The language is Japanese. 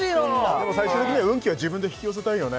でも最終的には運気は自分で引き寄せたいよね